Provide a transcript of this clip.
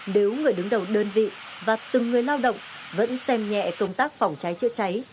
nếu người đứng đầu đơn vị và từng người lao động vẫn xem nhẹ công tác phòng cháy chữa cháy